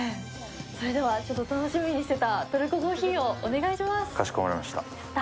それでは楽しみにしてたトルココーヒーをお願いします。